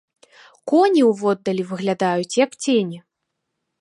Коні ўводдалі выглядаюць, як цені.